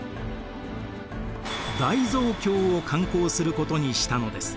大蔵経を刊行することにしたのです。